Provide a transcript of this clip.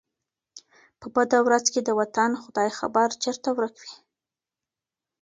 په بده ورځ کي د وطن ، خداى خبر ، چرته ورک وې